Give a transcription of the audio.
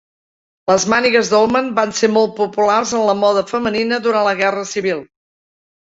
Les mànigues Dolman van ser molt populars en la moda femenina durant la guerra civil.